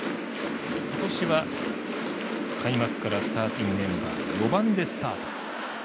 今年は開幕からスターティングメンバー４番でスタート。